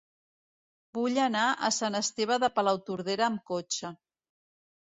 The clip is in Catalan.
Vull anar a Sant Esteve de Palautordera amb cotxe.